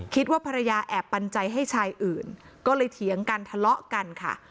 คิดว่าภรรยาแอบปันใจให้ชายอื่นก็เลยเถียงกันทะเลาะกันค่ะ